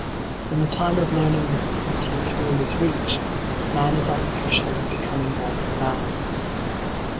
When the time of learning this seventeenth rule is reached, man is on the threshold of becoming more than man.